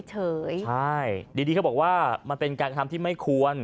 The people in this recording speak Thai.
ใช่ดีเขาบอกว่ามันเป็นการกระทำที่ไม่ควร